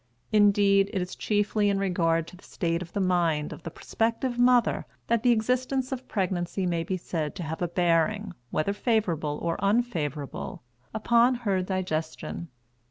Indeed, it is chiefly in regard to the state of the mind of the prospective mother that the existence of pregnancy may be said to have a bearing, whether favorable or unfavorable, upon her digestion.